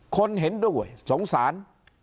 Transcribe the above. คนเห็นด้วยสงสาร